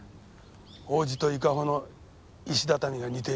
王子と伊香保の石畳が似ている事。